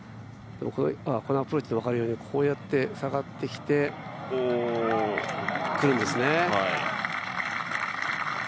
このアプローチで分かるように下がってくるんですね。